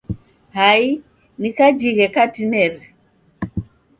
Hai, ni kajighe katineri!